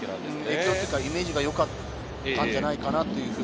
影響というかイメージがよかったんじゃないかなと。